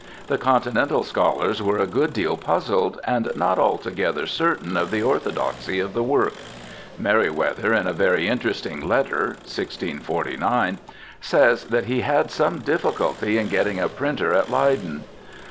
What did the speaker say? The continental scholars were a good deal puzzled, and not altogether certain of the orthodoxy of the work. Merryweather, in a very interesting letter (1649) says that he had some difficulty in getting a printer at Leyden.